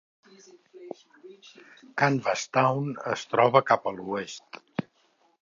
Canvastown es troba cap a l'oest.